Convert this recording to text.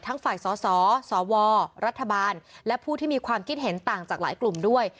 ฝ่ายสสวรัฐบาลและผู้ที่มีความคิดเห็นต่างจากหลายกลุ่มด้วย